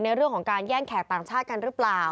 ในเรื่องของการแย่งแขกต่างชาติกันหรือเปล่า